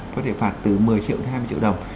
có thể phạt từ một mươi triệu đến hai mươi triệu đồng